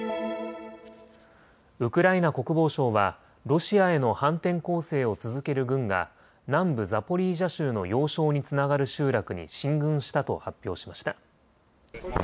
ウクライナ国防省はロシアへの反転攻勢を続ける軍が南部ザポリージャ州の要衝につながる集落に進軍したと発表しました。